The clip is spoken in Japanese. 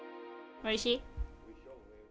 おいしい？